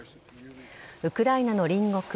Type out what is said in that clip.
ウクライナの隣国